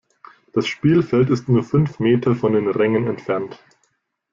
Das Spielfeld ist nur fünf Meter von den Rängen entfernt.